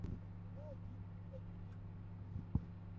Mary ongeyo pango ot